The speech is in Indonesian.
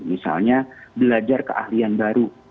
misalnya belajar keahlian baru